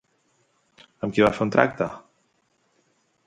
Amb qui va fer un tracte?